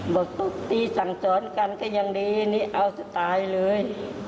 ตบตีสั่งสอนกันก็ยังดีนี่เอาสไตล์เลย